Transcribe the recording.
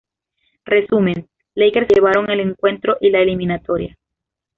Resumen: Lakers se llevaron el encuentro y la eliminatoria.